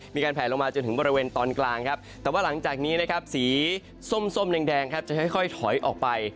มีการแผลลงมาจนถึงบริเวณตอนกลางครับแต่ว่าหลังจากนี้นะครับสีส้มแดงครับจะค่อยถอยออกไป